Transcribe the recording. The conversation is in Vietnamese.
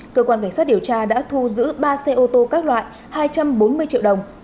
cơ quan cảnh sát điều tra đã thu giữ ba xe ô tô các loại hai trăm bốn mươi triệu đồng